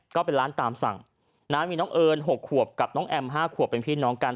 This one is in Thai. ก็เป็นร้านตามสั่งนะมีน้องเอิญ๖ขวบกับน้องแอม๕ขวบเป็นพี่น้องกัน